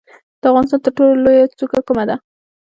د افغانستان تر ټولو لوړه څوکه کومه ده؟